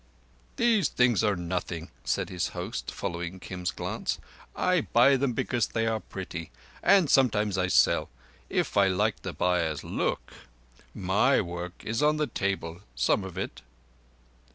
"Those things are nothing," said his host, following Kim's glance. "I buy them because they are pretty, and sometimes I sell—if I like the buyer's look. My work is on the table—some of it."